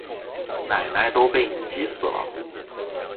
奶奶都被你急死了